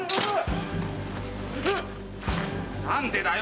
何でだよ？